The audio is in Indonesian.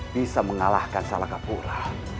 bisa mengalahkan salagapura